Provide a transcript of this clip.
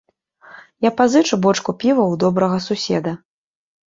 Я пазычу бочку піва ў добрага суседа!